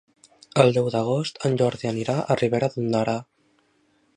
El deu d'agost en Jordi anirà a Ribera d'Ondara.